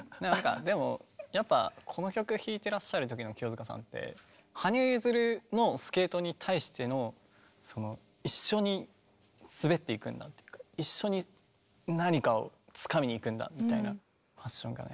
でもやっぱこの曲弾いてらっしゃるときの清塚さんって羽生結弦のスケートに対してのその一緒に滑っていくんだっていうか一緒に何かをつかみにいくんだみたいなパッションがね